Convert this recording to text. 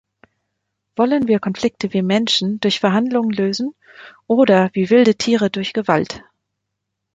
Wollen wir Konflikte wie Menschen durch Verhandlungen lösen oder wie wilde Tiere durch Gewalt?